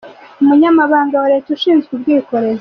Umunyamabanga wa Leta ushinzwe ubwikorezi,